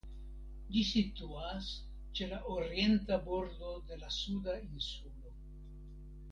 Ĝi situas ĉe la orienta bordo de la Suda Insulo.